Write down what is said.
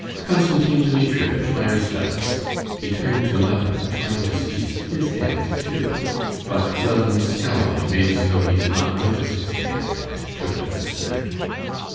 Konstantin Dmitrievitch, my respects"; he turned to Levin, trying to seize his hand too. But Levin, scowling, made as though he did not notice his hand, and took out the snipe.